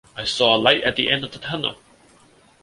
I saw a light at the end of the tunnel.